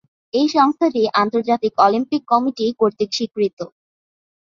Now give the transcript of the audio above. এই সংস্থাটি আন্তর্জাতিক অলিম্পিক কমিটি কর্তৃক স্বীকৃত।